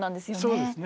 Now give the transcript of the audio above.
そうですね。